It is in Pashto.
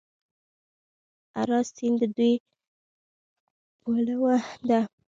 اراس سیند د دوی پوله ده.